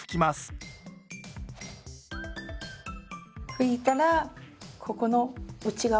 拭いたらここの内側。